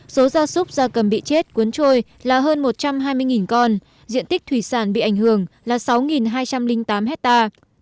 số gia súc gia cầm bị chết cuốn trôi là hơn một trăm hai mươi con diện tích thủy sản bị ảnh hưởng là sáu hai trăm linh tám hectare